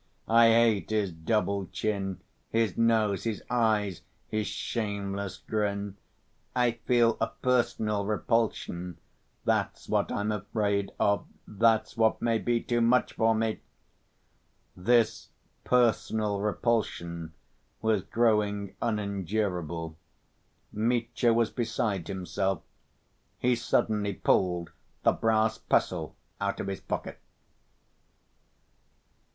I hate his double chin, his nose, his eyes, his shameless grin. I feel a personal repulsion. That's what I'm afraid of, that's what may be too much for me." ... This personal repulsion was growing unendurable. Mitya was beside himself, he suddenly pulled the brass pestle out of his pocket.